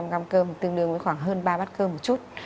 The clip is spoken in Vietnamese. bảy trăm linh gram cơm tương đương với khoảng hơn ba bát cơm một chút